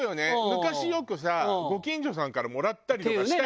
昔よくさご近所さんからもらったりとかしたよね。